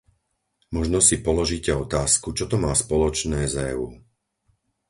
Možno si položíte otázku, čo to má spoločné s EÚ.